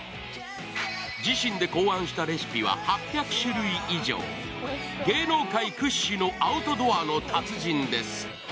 自身で考案したレシピは８００種類以上、芸能界屈指のアウトドアの達人です。